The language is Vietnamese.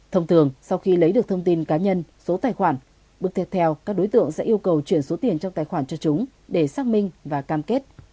thông thường sau khi lấy được thông tin cá nhân số tài khoản bước tiếp theo các đối tượng sẽ yêu cầu chuyển số tiền trong tài khoản cho chúng để xác minh và cam kết